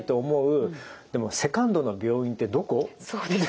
でもセカンドの病院ってどこ？